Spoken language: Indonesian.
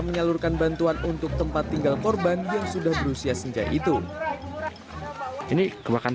menyalurkan bantuan untuk tempat tinggal korban yang sudah berusia senja itu ini kebakaran